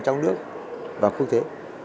trong nước và quốc tế